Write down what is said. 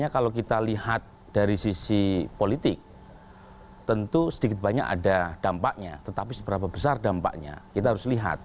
kalau kita lihat dari sisi politik tentu sedikit banyak ada dampaknya tetapi seberapa besar dampaknya kita harus lihat